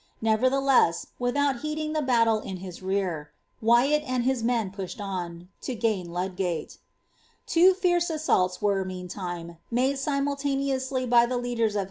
Nevertheless, without hueding the battle in bis' rear, Wyatt and his men pushed on, to gain Ludgate. Two tierce assaults were, meantime, made simultaneously by the ' Baoardo, her iiearei>t contcii>iK>niry.